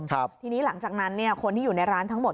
ทีนี้หลังจากนั้นเนี่ยคนที่อยู่ในร้านทั้งหมด